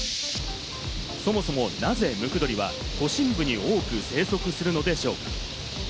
そもそも、なぜムクドリは都心部に多く生息するのでしょうか？